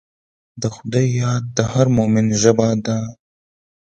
د خدای یاد د هر مؤمن ژبه ده.